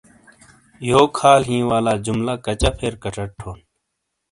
"یوک حال ہیں" والا جملہ کچا پھیر کچٹ تھون؟